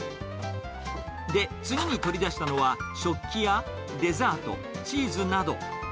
で、次に取り出したのは、食器やデザート、チーズなど。